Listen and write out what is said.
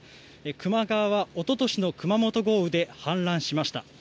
球磨川はおととしの熊本豪雨で氾濫しました。